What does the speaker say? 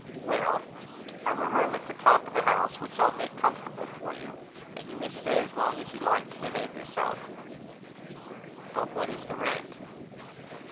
"Well, I've a room at the top of the house, which I'll make comfortable for you; and you may stay as long as you like to behave yourself." "But what is the rent?"